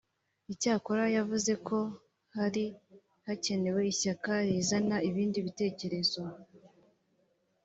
Icyakora yavuze ko hari hakenewe ishyaka rizana ibindi bitekerezo